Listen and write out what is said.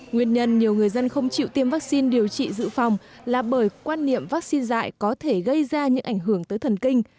nguyên nhân nhiều người dân không chịu tiêm vắc xin điều trị giữ phòng là bởi quan niệm vắc xin dại có thể gây ra những ảnh hưởng tới thần kinh